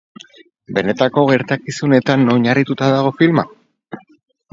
Benetako gertakizunetan oinarrituta al dago filma?